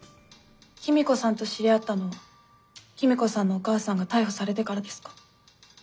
公子さんと知り合ったのは公子さんのお母さんが逮捕されてからですか？